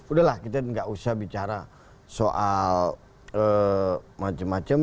udahlah kita nggak usah bicara soal macam macam